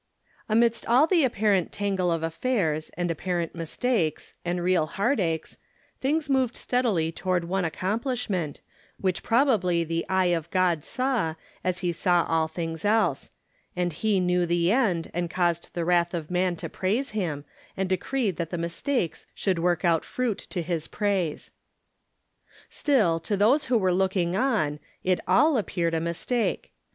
20. Amidst all tlie apparent tangle of affairs, and apparent mistakes, and real heartaches, things moved steadily toward one accomplishment, which probably the eye of God saw, as he saw all things else ; and he loiew the end, and caused the wrath of man to praise him, and decreed that the mistakes should work out fruit to his praise. ' Still, to those who were looking on, it all ap peared a mistake.